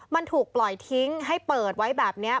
มันถูกปล่อยทิ้งให้เปิดไว้แบบนี้